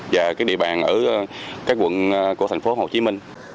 và cái địa bàn ở các quận của thành phố hồ chí minh